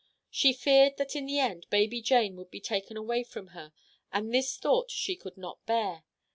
She feared that in the end baby Jane would be taken away from her, and this thought she could not bear.